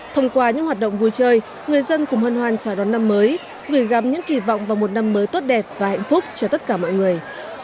thông qua những hoạt động vui chơi người dân cùng hân hoan chào đón năm mới gửi gắm những kỳ vọng vào một năm mới tốt đẹp và hạnh phúc cho tất cả mọi người